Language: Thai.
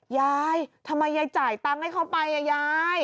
ยายทำไมยายจ่ายตังค์ให้เขาไปอ่ะยาย